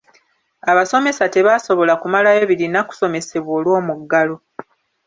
Abasomesa tebaasobola kumalayo birina kusomesebwa olw'omuggalo.